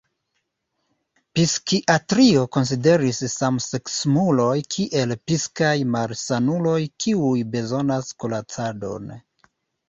Psikiatrio konsideris samseksemuloj kiel psikaj malsanuloj kiuj bezonas kuracadon.